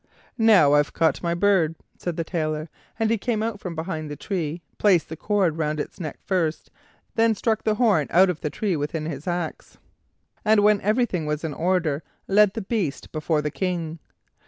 "Now, I've caught my bird," said the Tailor, and he came out from behind the tree, placed the cord round its neck first, then struck the horn out of the tree within his axe, and when everything was in order led the beast Before the King.